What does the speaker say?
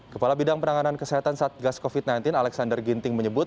kepala bidang penanganan kesehatan satgas covid sembilan belas alexander ginting menyebut